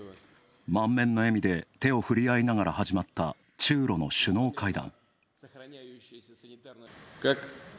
満面の笑みで手を振り合いながら始まった中露の首脳会談。